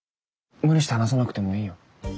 無理して話さなくてもいいよ。